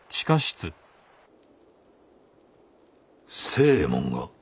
星右衛門が？